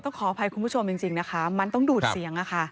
ขออภัยคุณผู้ชมจริงนะคะมันต้องดูดเสียง